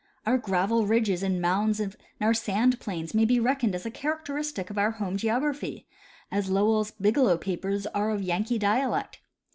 Our gravel ridges and mounds and our sand plains may be reckoned as characteristic of our home geography as Lowell's " Bigelow Papers " are of Yankee dialect.